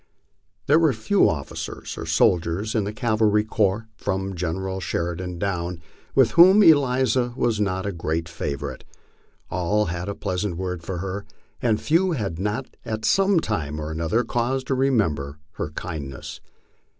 There were few officers or soldiers in the cavalry corps, from General Sheridan down, with whom Eliza was not a great favorite. All had a pleasant word for her, and few had not at some time or other cause to remember her kindness.